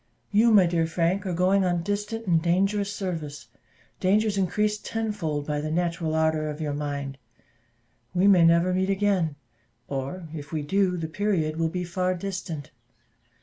You, my dear Frank, are going on distant and dangerous service dangers increased tenfold by the natural ardour of your mind: we may never meet again, or if we do, the period will be far distant.